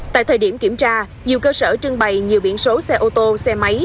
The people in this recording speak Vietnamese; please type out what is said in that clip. tại thời điểm kiểm tra nhiều cơ sở trưng bày nhiều biển số xe ô tô xe máy